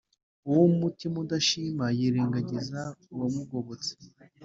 uw’umutima udashima yirengagiza uwamugobotse.